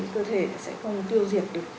cơ thể sẽ không tiêu diệt được